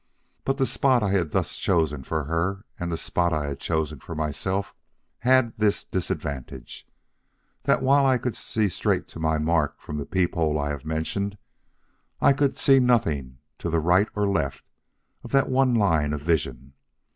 But the spot I had thus chosen for her, and the spot I had chosen for myself had this disadvantage; that while I could see straight to my mark from the peep hole I have mentioned, I could see nothing to right or left of that one line of vision.